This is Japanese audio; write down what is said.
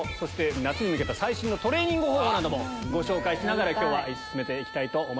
夏に向けた最新のトレーニング方法などご紹介しながら今日は進めて行きたいと思います。